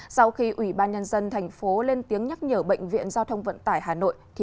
sau khi ủy ban nhân dân thành phố lên tiếng nhắc nhở bệnh viện giao thông vận tải hà nội